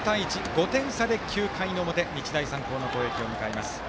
５点差で９回の表日大三高の攻撃を迎えます。